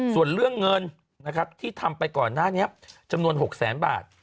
ส่วนเรื่องเงินที่ทำไปก่อนหน้านี้จำนวน๖๐๐๐๐๐บาท